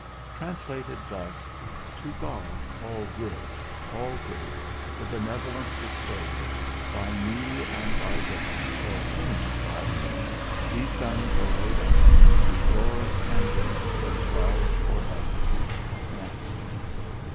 TRANSLATED THUS. To God all Good, all Great, the benevolent Bestower, by me and by them, for whom, by me, these sums are laid up, be glory and grace ascribed for ever. Amen.